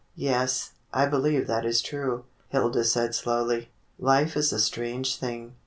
"Yes, I believe that is true," Hilda said slowly. "Life is a strange thing.